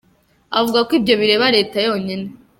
Avuga ko ibyo bireba Leta yonyine.